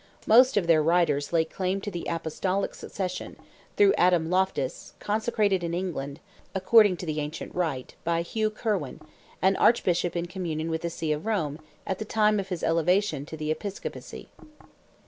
Most of their writers lay claim to the Apostolic succession, through Adam Loftus, consecrated in England, according to the ancient rite, by Hugh Curwen, an Archbishop in communion with the See of Rome, at the time of his elevation to the episcopacy.